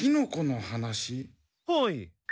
はい。